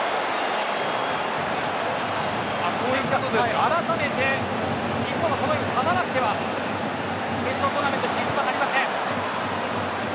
改めて、日本はこのゲームに勝たなくては決勝トーナメント進出はなりません。